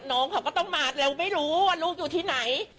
น้องเขาก็ต้องมาเร็วไม่รู้ว่าลูกอยู่ที่ไหน